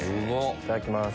いただきます。